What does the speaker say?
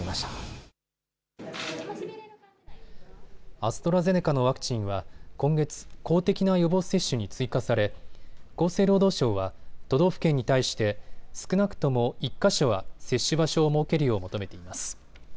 アストラゼネカのワクチンは今月、公的な予防接種に追加され厚生労働省は都道府県に対して少なくとも１か所は接種場所を設けるよう求めています。